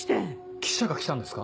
記者が来たんですか？